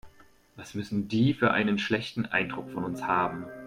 Was müssen die für einen schlechten Eindruck von uns haben.